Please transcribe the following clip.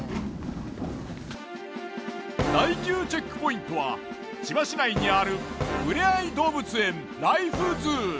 第９チェックポイントは千葉市内にあるふれあい動物園ライフズー。